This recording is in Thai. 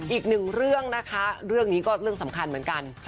อีกหนึ่งเรื่องนะคะเรื่องนี้ก็เรื่องสำคัญเหมือนกัน